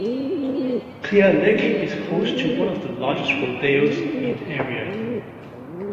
Clear Lake is host to one of the largest rodeos in the area.